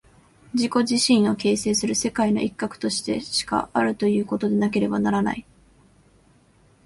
自己自身を形成する世界の一角としてしかあるということでなければならない。